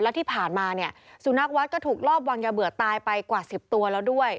แล้วที่ผ่านมาเนี่ยสุนัขวัดก็ถูกลอบวางยาเบื่อตายไปกว่า๑๐ตัวแล้วด้วย